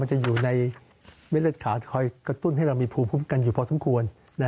มันจะอยู่ในเมล็ดขาค่อยกระตุ้นให้เรามีภูมิกันอยู่พอสมควร